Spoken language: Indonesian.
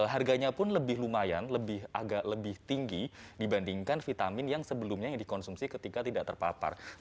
harganya pun lebih lumayan agak lebih tinggi dibandingkan vitamin yang sebelumnya yang dikonsumsi ketika tidak terpapar